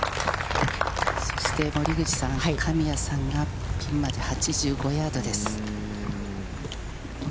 そして森口さん、神谷さんが、ピンまで８５ヤードです。